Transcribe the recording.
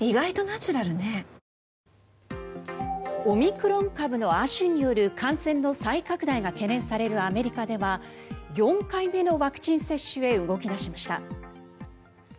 オミクロン株の亜種による感染の再拡大が懸念されるアメリカでは４回目のワクチン接種へ動き出しました。